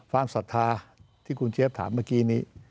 ฟาร์มศรัทธาที่คุณเจฟถามเมื่อกี้นี้